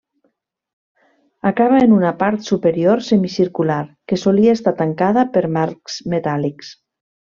Acaba en una part superior semicircular, que solia estar tancada per marcs metàl·lics.